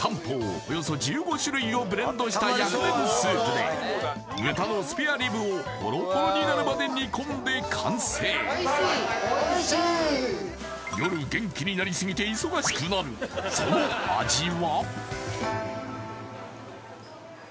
およそ１５種類をブレンドした薬膳スープで豚のスペアリブをホロホロになるまで煮込んで完成・おいしいおいしい夜元気になりすぎて忙しくなるその味は？